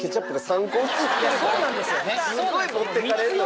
すごい持ってかれる。